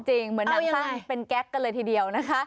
เหมือนหนังสั้นเป็นแก๊กกันเลยทีเดียวนะคะ